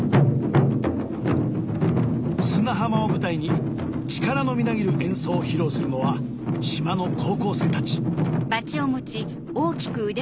砂浜を舞台に力のみなぎる演奏を披露するのは島の高校生たち